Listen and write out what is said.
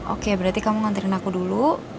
oke berarti kamu nganterin aku dulu